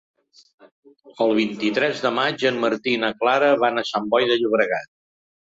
El vint-i-tres de maig en Martí i na Clara van a Sant Boi de Llobregat.